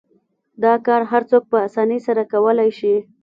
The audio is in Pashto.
دا کار هر څوک په اسانۍ سره کولای شي.